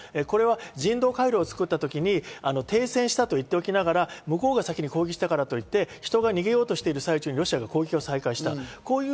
これは人道回廊を作ったときに停戦したと言っておきながら向こうが先に攻撃したからといって、人が逃げようとしている最中にロシアが攻撃を再開した。